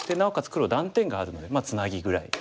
黒断点があるのでツナギぐらい。